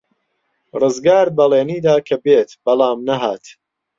ڕزگار بەڵێنی دا کە بێت، بەڵام نەهات.